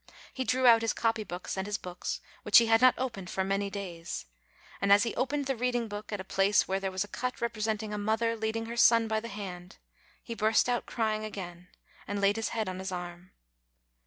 He drew out his copy books and his books, which he had not opened for many days, and as he opened the reading book at a place where there was a cut representing a mother leading her son by the hand, he burst out crying again, and laid his head on his arm.